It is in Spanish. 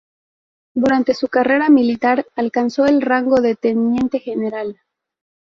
Durante su carrera militar alcanzó el rango de Teniente General.